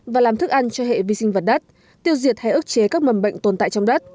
và làm thức ăn cho hệ vi sinh vật đất tiêu diệt hay ức chế các mầm bệnh tồn tại trong đất